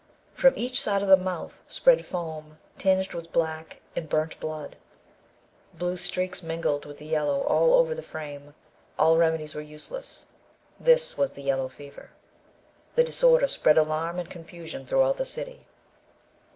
From each side of the mouth spread foam, tinged with black and burnt blood. Blue streaks mingled with the yellow all over the frame. All remedies were useless. This was the Yellow Fever. The disorder spread alarm and confusion throughout the city.